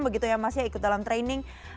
begitu ya mas ya ikut dalam training